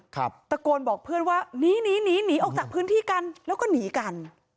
ตะโกนบอกเพื่อนว่าหนีหนีหนีออกจากพื้นที่กันแล้วก็หนีกัน